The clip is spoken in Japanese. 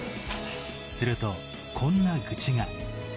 すると、こんな愚痴が。